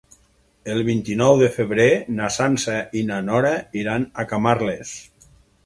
El vint-i-nou de febrer na Sança i na Nora iran a Camarles.